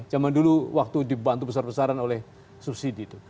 zaman dulu waktu dibantu besar besaran oleh subsidi itu